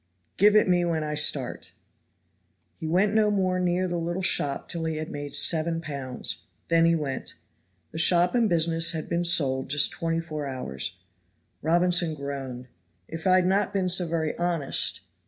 "Give it me when I start." He went no more near the little shop till he had made seven pounds; then he went. The shop and business had been sold just twenty four hours. Robinson groaned. "If I had not been so very honest!